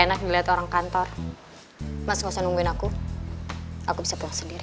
enak dilihat orang kantor mas gak usah nungguin aku aku bisa pulang sendiri